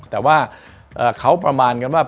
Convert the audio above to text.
แต่ว่าเขาประมาณกันว่า